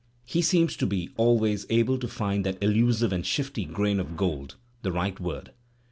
He seems to be always able to find that elusive and shifty grain of gold, the right word.